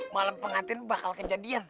malem pengantin bakal kejadian